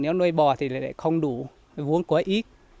nếu nuôi bò thì lại không đủ vốn quá ít